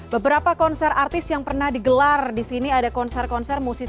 beberapa konser artis yang pernah digelar disini ada konser konser musisi